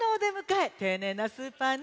ていねいなスーパーね。